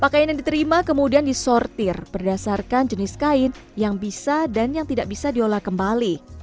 pakaian yang diterima kemudian disortir berdasarkan jenis kain yang bisa dan yang tidak bisa diolah kembali